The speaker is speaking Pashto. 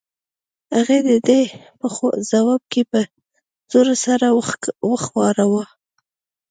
هغې د ده په ځواب کې په زور سر وښوراوه.